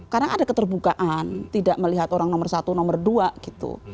karena ada keterbukaan tidak melihat orang nomor satu nomor dua gitu